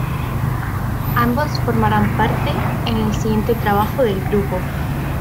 Ambos formarán parte en el siguiente trabajo del grupo.